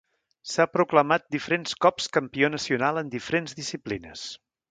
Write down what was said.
S'ha proclamat diferents cops campió nacional en diferents disciplines.